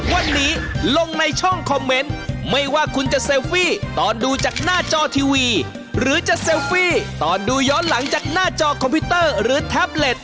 วันนี้ลงในช่องคอมเมนต์ไม่ว่าคุณจะเซลฟี่ตอนดูจากหน้าจอทีวีหรือจะเซลฟี่ตอนดูย้อนหลังจากหน้าจอคอมพิวเตอร์หรือแท็บเล็ต